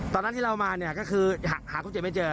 ตอนนั้นที่เรามาเนี่ยก็คือหาคนเจ็บไม่เจอ